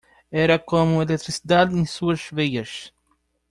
Era como eletricidade em suas veias.